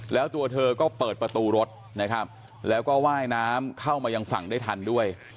แล้วตัวเธอก็เปิดประตูรถนะครับแล้วก็ว่ายน้ำเข้ามายังฝั่งได้ทันด้วย